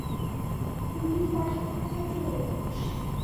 তিনি যেন ঘুমিয়ে ছিলেন।